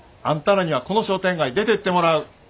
あんたらにはこの商店街出てってもらう。